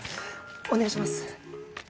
お願いします。